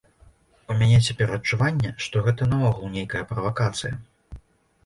У мяне цяпер адчуванне, што гэта наогул нейкая правакацыя.